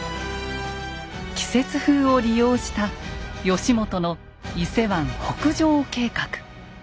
季節風を利用した義元の伊勢湾北上計画。